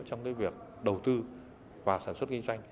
trong cái việc đầu tư và sản xuất kinh doanh